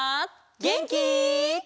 げんき？